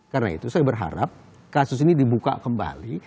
karena itu saya berharap kasus ini dibuka kembali